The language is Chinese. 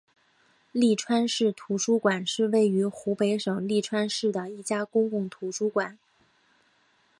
利川市图书馆是位于湖北省利川市的一家公共图书馆。